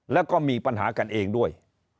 แล้วก็มีปัญหากันเองด้วย